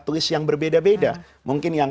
tulis yang berbeda beda mungkin yang